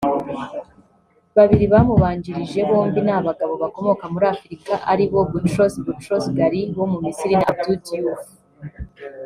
Babiri bamubanjirije bombi ni abagabo bakomoka muri Afurika aribo Boutros Boutros-Ghali wo mu Misiri na Abdou Diouf